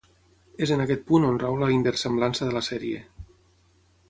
És en aquest punt on rau la inversemblança de la sèrie.